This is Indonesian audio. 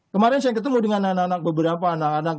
kemarin saya ketemu dengan anak anak beberapa anak anak